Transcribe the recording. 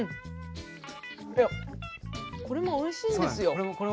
これもおいしいんですよ。